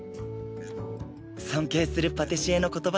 尊敬するパティシエの言葉です。